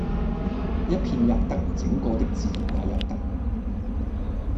一片喫得，整個的自然也喫得。